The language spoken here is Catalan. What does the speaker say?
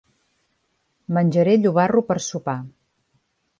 Menjaré llobarro per sopar.